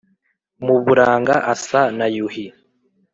mu buranga asa na yuhi.